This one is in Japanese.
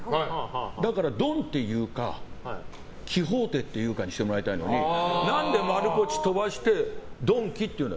だからドンって言うかキホーテって言うかにしてもらいたいのに何で丸ポチを飛ばしてドンキって言うの。